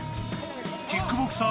キックボクサー